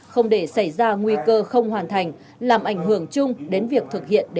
không để xảy ra nguy cơ không hoàn thành làm ảnh hưởng chung đến việc thực hiện đề án sáu